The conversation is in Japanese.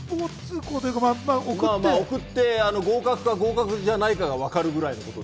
送って合格か合格じゃないかがわかるぐらいで。